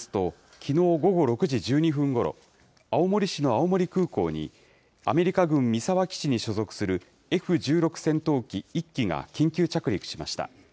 きのう午後６時１２分ごろ、青森市の青森空港に、アメリカ軍三沢基地に所属するＦ１６戦闘機１機が緊急着陸しました。